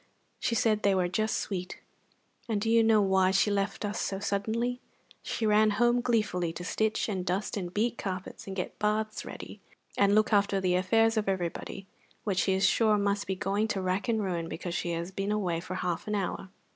She said they were just sweet. And do you know why she left us so suddenly? She ran home gleefully to stitch and dust and beat carpets, and get baths ready, and look after the affairs of everybody, which she is sure must be going to rack and ruin because she has been away for half an hour!"